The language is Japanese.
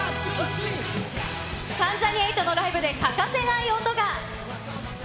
関ジャニ∞のライブで欠かせない音が。